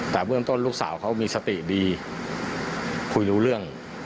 แต่เบื้องต้นลูกสาวเขามีสติดีคุยรู้เรื่อง